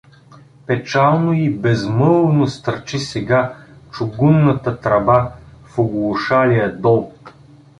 Печално и безмълвно стърчи сега чугунната тръба в оглушалия дол.